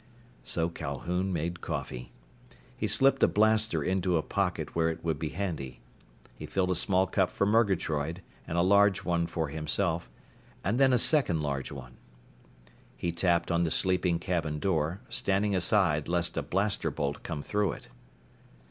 So Calhoun made coffee. He slipped a blaster into a pocket where it would be handy. He filled a small cup for Murgatroyd and a large one for himself, and then a second large one. He tapped on the sleeping cabin door, standing aside lest a blaster bolt come through it.